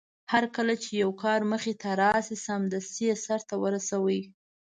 هرکله چې يو کار مخې ته راشي سمدستي يې سرته ورسوي.